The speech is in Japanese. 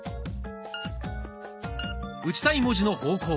打ちたい文字の方向